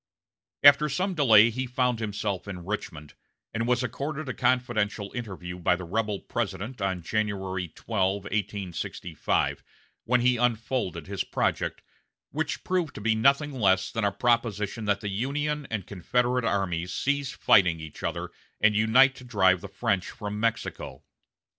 After some delay, he found himself in Richmond, and was accorded a confidential interview by the rebel President on January 12, 1865, when he unfolded his project, which proved to be nothing less than a proposition that the Union and Confederate armies cease fighting each other and unite to drive the French from Mexico.